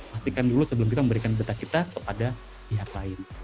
pastikan dulu sebelum kita memberikan beta kita kepada pihak lain